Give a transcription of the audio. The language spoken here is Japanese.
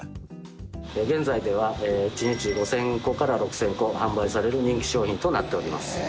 現在では１日５０００個から６０００個販売される人気商品となっております。